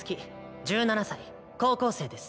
１７歳高校生です。